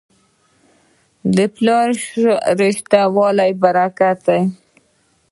د پلار شته والی برکت دی.